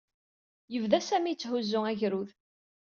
Yebda Sami yetthuzzu agerrud.